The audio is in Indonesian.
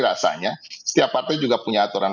rasanya setiap partai juga punya aturan